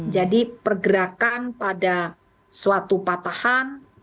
jadi pergerakan pada suatu patahan